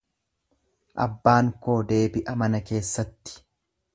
Abbaan koo deebi'a mana keessatti.